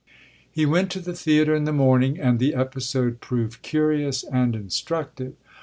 He went to the theatre in the morning, and the episode proved curious and instructive.